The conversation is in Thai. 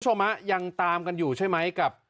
ชมะยังตามกันอยู่ใช่มั้ยกับ